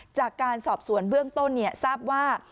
จากการสอบสวนเบื้องต้นทราบว่า